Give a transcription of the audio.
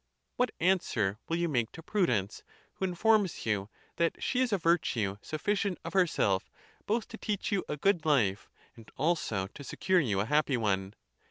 What answer will you make to prudence, who informs you that she is a virtue sufficient of herself both to teach you a good life and also to secure you a happy one?